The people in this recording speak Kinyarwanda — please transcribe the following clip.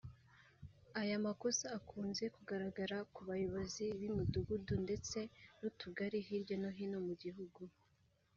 Aya makosa akunze kugaragara ku bayobozi b’imidugudu ndetse n’utugari hirya no hino mu gihugu